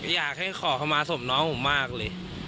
อยากให้ขอเข้ามาศพน้องผมมากเลย